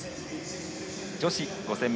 女子５０００